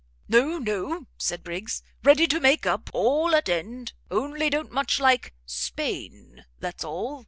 "No, no," said Briggs, "ready to make up; all at end; only don't much like Spain, that's all!"